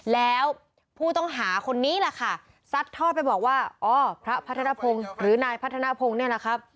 แล้วผู้ต้องหาคนนี้แหละค่ะซัดทอดไปบอกว่าอ๋อพระพัฒนภงหรือนายพัฒนภงเนี่ยนะครับ